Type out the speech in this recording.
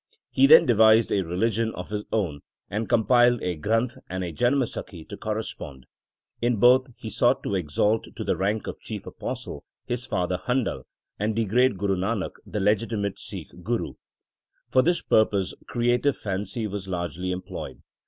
He then devised a religion of his own, and compiled a Granth and a Janamsakhi to correspond. In both he sought to exalt to the rank of chief apostle his father Handal, and degrade Guru Nanak, the legitimate Sikh Guru. For this purpose creative fancy was largely employed.